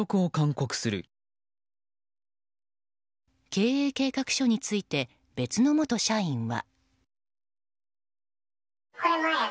経営計画書について別の元社員は。